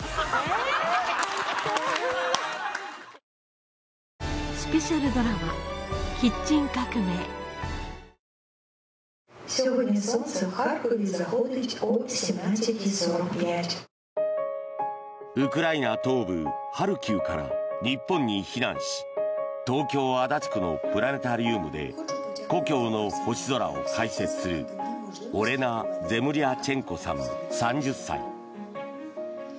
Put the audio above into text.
オレナさんはこの星空を避難しているウクライナ人にウクライナ東部ハルキウから日本に避難し東京・足立区のプラネタリウムで故郷の星空を解説するオレナ・ゼムリャチェンコさん３０歳。